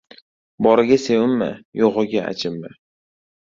• Boriga sevinma, yo‘g‘iga achinma.